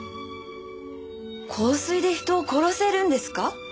香水で人を殺せるんですか？